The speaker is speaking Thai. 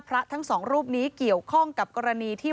ทั้งสองรูปนี้เกี่ยวข้องกับกรณีที่